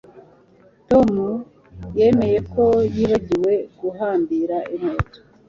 Tom yamenye ko yibagiwe guhambira inkweto